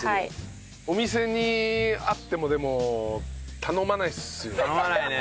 お店にあってもでも頼まないですよね。